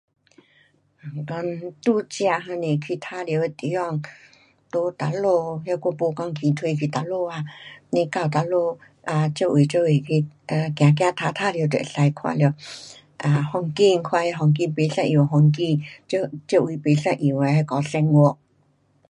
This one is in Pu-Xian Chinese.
如讲度假还是去玩耍的地方在哪里，那我不没挑剔去哪里呀。你到哪里到处到处去走走玩玩耍，都可以。看了风景不一样。风景到处不一样的那个生活。